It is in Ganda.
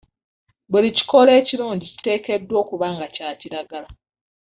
Buli kikoola ekirungi kiteekeddwa okuba nga kya kiragala.